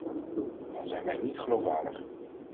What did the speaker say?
Dan zijn wij niet geloofwaardig.